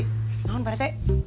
kenapa pak rete